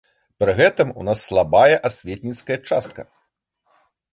Пры гэтым у нас слабая асветніцкая частка.